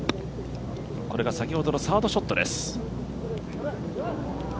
これが先ほどのサードショットです。